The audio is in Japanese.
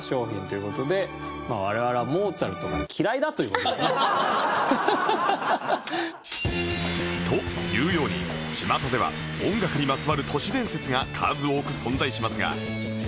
ちなみにというように巷では音楽にまつわる都市伝説が数多く存在しますが